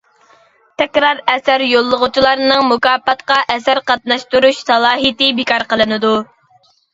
تەكرار ئەسەر يوللىغۇچىلارنىڭ مۇكاپاتقا ئەسەر قاتناشتۇرۇش سالاھىيىتى بىكار قىلىنىدۇ.